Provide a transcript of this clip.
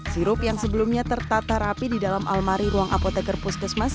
sirup yang sebelumnya tertata rapi di dalam almari ruang apoteker puskesmas